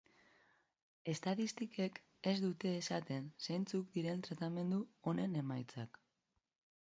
Estatistikek ez dute esaten zeintzuk diren tratamendu honen emaitzak.